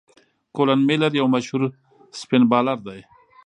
کولن میلیر یو مشهور سپېن بالر دئ.